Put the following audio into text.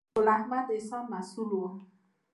ګل احمد احسان مسؤل و.